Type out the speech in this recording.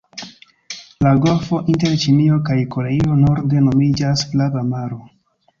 La golfo inter Ĉinio kaj Koreio norde nomiĝas Flava maro.